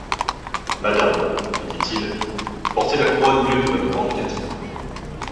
Madame, lui dit-il, vous portez la couronne mieux que notre grande Catherine.